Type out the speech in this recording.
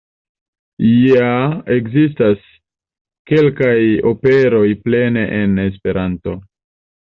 Ja ekzistas kelkaj operoj plene en Esperanto.